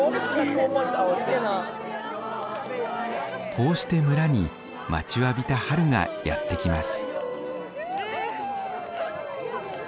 こうして村に待ちわびた春がやって来ます。